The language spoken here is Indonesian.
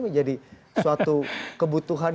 menjadi suatu kebutuhan